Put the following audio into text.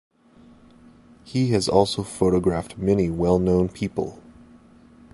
He has also photographed many well-known people.